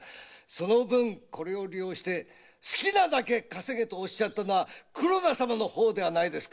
その分これを利用して好きなだけ稼げ」とおっしゃったのは黒田様の方ではないですか。